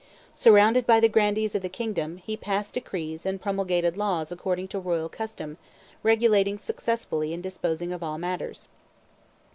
Surrounded by the grandees of the kingdom, he passed decrees and promulgated laws according to royal custom, regulating successfully and disposing of all matters.